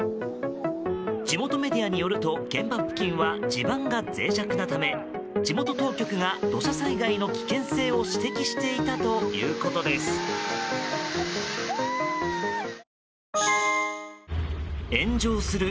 地元メディアによると現場付近は地盤が脆弱なため地元当局が土砂災害の危険性を指摘していたということです。